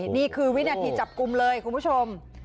นี่คือวินาทีจับกลุ่มเลยคุณผู้ชม